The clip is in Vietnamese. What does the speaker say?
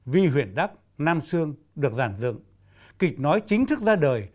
vi huỳnh đắc nam sương được giàn dựng kịch nói chính thức ra đời